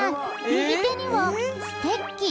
右手にはステッキ